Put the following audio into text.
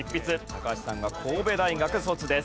高橋さんは神戸大学卒です。